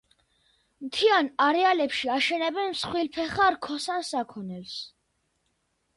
მთიან არეალებში აშენებენ მსხვილფეხა რქოსან საქონელს.